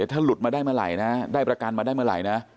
ถ้าหลุดมาได้เมื่อไหร่นะได้ประกันมาได้เมื่อไหร่นะ